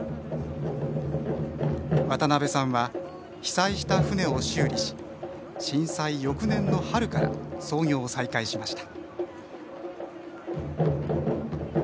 渡辺さんは被災した船を修理し震災翌年の春から操業を再開しました。